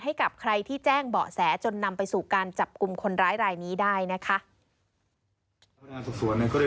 ให้กับใครที่แจ้งเบาะแสจนนำไปสู่การจับกลุ่มคนร้ายรายนี้ได้นะคะ